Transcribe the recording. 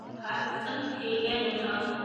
Һарттың кейгәнен ал